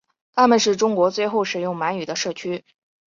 他们是中国最后使用满语的社区。